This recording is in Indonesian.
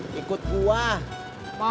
bukan ada abis tiga saat